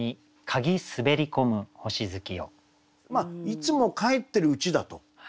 いつも帰ってるうちだと。